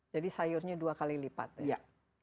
jadi sayurnya dua kali lipat ya